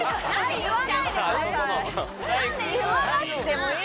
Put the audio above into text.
言わなくていい！